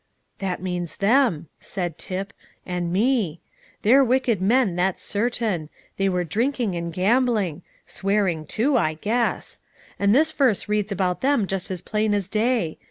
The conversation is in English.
"That means them," said Tip, "and me. They're wicked men, that's certain: they were drinking and gambling, swearing too, I guess; and this verse reads about them just as plain as day.